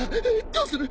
どうする！？